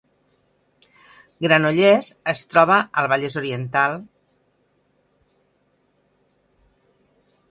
Granollers es troba al Vallès Oriental